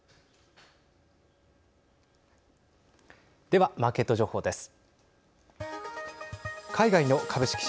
では、マーケット情報です。